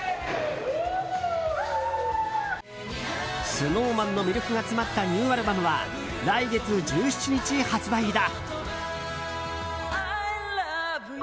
ＳｎｏｗＭａｎの魅力が詰まったニューアルバムは来月１７日発売だ。